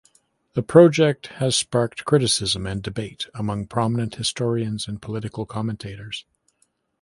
The project has sparked criticism and debate among prominent historians and political commentators.